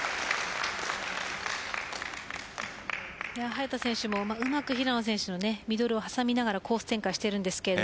早田選手もうまく平野選手のミドルを挟みながらコース展開しています。